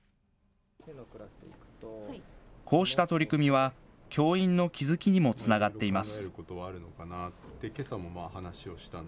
こうした取り組みは、教員の気づきにもつながっています。